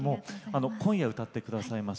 今夜、歌ってくださいます